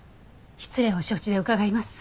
失礼を承知で伺います。